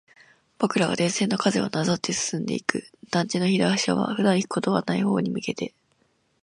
僕らは電線の影をなぞって進んでいく。団地の東側、普段行くことはない方に向けて。